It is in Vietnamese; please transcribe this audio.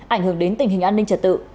ảnh hưởng đến tình hình an ninh trật tự